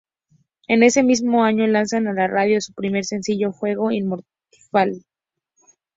En ese mismo año lanzan a la radio su primer sencillo "Fuego Informal".